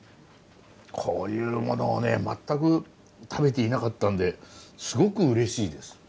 こういうものをね全く食べていなかったんですごくうれしいです。